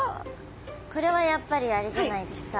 これはやっぱりあれじゃないですか？